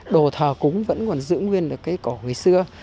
đồ thờ cúng vẫn còn giữ nguyên được cái cổ ngày xưa